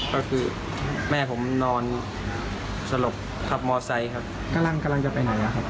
ก็คือแม่ผมนอนสลบขับมอไซค์ครับกำลังจะไปไหนนะครับ